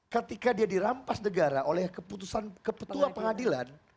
ketika dia dirampas negara oleh keputusan kepetua pengadilan